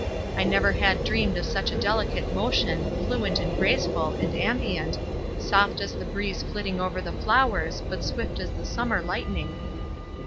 I never had dreamed of such delicate motion, fluent, and graceful, and ambient, soft as the breeze flitting over the flowers, but swift as the summer lightning.